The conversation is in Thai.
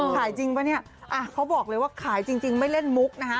ขายจริงป่ะนี่เขาบอกเลยว่าขายจริงไม่เล่นมุก